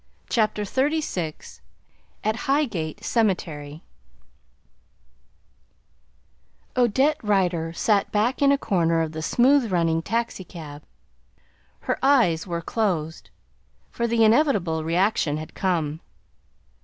CHAPTER XXXVI AT HIGHGATE CEMETERY Odette Rider sat back in a corner of the smooth running taxicab. Her eyes were closed, for the inevitable reaction had come.